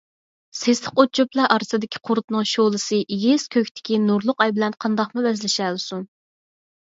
سېسىق ئوت - چۆپلەر ئارىسىدىكى قۇرتنىڭ شولىسى ئېگىز كۆكتىكى نۇرلۇق ئاي بىلەن قانداقمۇ بەسلىشەلىسۇن؟